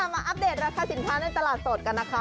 อัปเดตราคาสินค้าในตลาดสดกันนะคะ